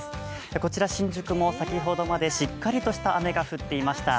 こちら新宿も先ほどまでしっかりとした雨が降っていました。